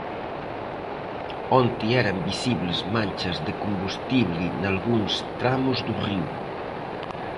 Onte eran visibles manchas de combustible nalgúns tramos do río.